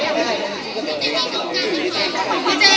ขัวขอพูดเท่านั้นหน่อย